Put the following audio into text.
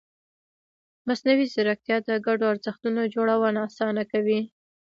مصنوعي ځیرکتیا د ګډو ارزښتونو جوړونه اسانه کوي.